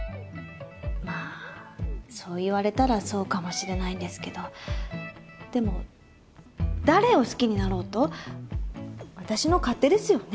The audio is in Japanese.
まあそう言われたらそうかもしれないですけどでも誰を好きになろうと私の勝手ですよね？